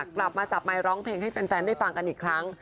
กลับมาจับไมค์ร้องเพลงให้แฟนได้ฟังกันอีกครั้ง